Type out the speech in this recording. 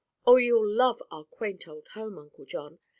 Oh, you'll love our quaint old home, Uncle John!